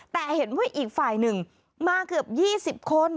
แต่เห็นว่าอีกฝ่ายหนึ่งมาเกือบ๒๐คน